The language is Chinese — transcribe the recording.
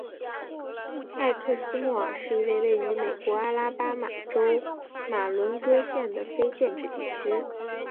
埃克斯莫尔是一个位于美国阿拉巴马州马伦戈县的非建制地区。